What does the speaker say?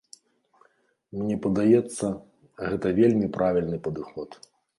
Мне падаецца, гэта вельмі правільны падыход.